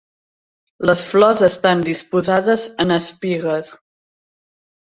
Les flors estan disposades en espigues.